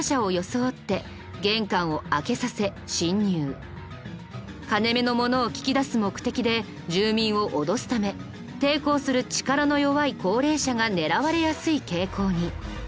例えば。金目のものを聞き出す目的で住民を脅すため抵抗する力の弱い高齢者が狙われやすい傾向に。